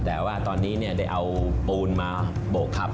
แต่ว่าตอนนี้ได้เอาปูนมาโบกครับ